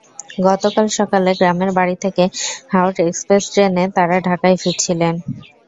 গতকাল সকালে গ্রামের বাড়ি থেকে হাওর এক্সপ্রেস ট্রেনে তাঁরা ঢাকায় ফিরছিলেন।